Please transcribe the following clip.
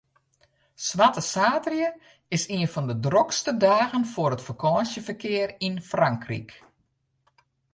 Swarte saterdei is ien fan de drokste dagen foar it fakânsjeferkear yn Frankryk.